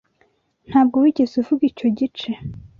Ntabwo wigeze uvuga icyo gice.